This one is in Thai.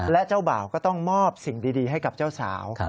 และเจ้าบ่าวก็ต้องมอบสิ่งดีให้กับเจ้าสาว